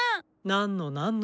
なんのなんの。